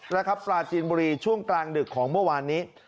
แล้วครับปลาจีนบุรีช่วงกลางดึกของเมื่อวานนี้